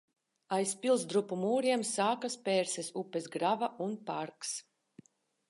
Aiz pilsdrupu mūriem sākas Pērses upes grava un parks.